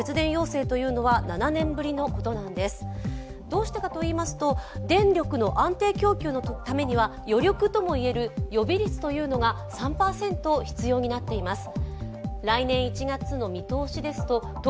どうしてかといいますと電力の安定供給のためには余力とも言える予備率というのが３％必要になっています。